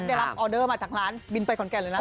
ได้รับออเดอร์มาจากร้านบินไปขอนแก่นเลยนะ